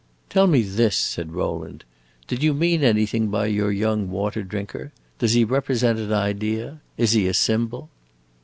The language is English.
"Tell me this," said Rowland. "Did you mean anything by your young Water drinker? Does he represent an idea? Is he a symbol?"